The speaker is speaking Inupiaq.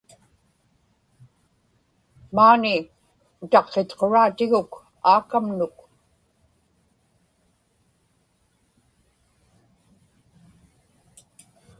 maani utaqqitquraatiguk aakamnuk